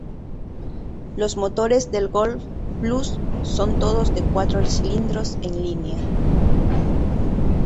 Los motores del Golf Plus son todos de cuatro cilindros en línea.